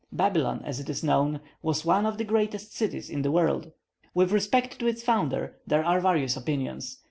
Babylon, as is known, was one of the greatest cities of the world. With respect to its founder there are various opinions.